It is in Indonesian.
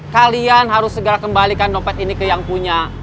kalian harus segera kembalikan dompet ini ke yang punya